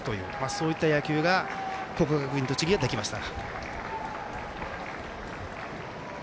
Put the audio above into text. そういった野球が国学院栃木はできました。